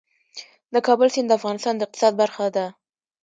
د کابل سیند د افغانستان د اقتصاد برخه ده.